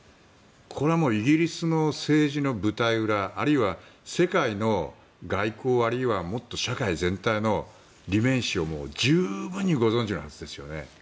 これはイギリスの政治の舞台裏あるいは世界の外交あるいはもっと社会全体の裏面史を十分にご存じなんですよね。